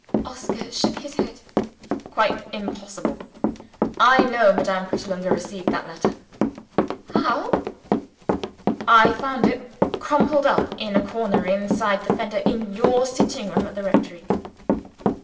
Oscar shook his head. "Quite impossible! I know Madame Pratolungo received the letter." "How?" "I found it crumpled up in a corner inside the fender, _in your sitting room at the rectory.